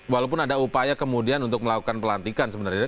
walaupun ada upaya kemudian untuk melakukan pelantikan sebenarnya